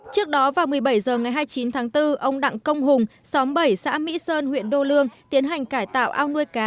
trước đó vào một mươi bảy h ngày hai mươi chín tháng bốn ông đặng công hùng xóm bảy xã mỹ sơn huyện đô lương tiến hành cải tạo ao nuôi cá